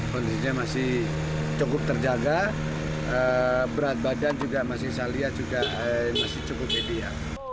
kondisinya masih cukup terjaga berat badan juga masih saya lihat juga masih cukup media